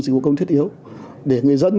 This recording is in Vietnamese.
dịch vụ công thiết yếu để người dân